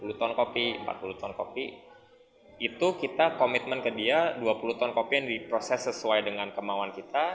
sepuluh ton kopi empat puluh ton kopi itu kita komitmen ke dia dua puluh ton kopi yang diproses sesuai dengan kemauan kita